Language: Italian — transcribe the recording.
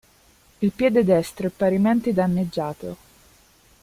Il piede destro è parimenti danneggiato.